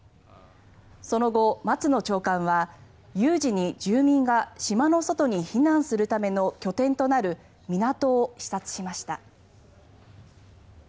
その後、松野長官は有事に住民が島の外に避難するための拠点となる港を視察しました。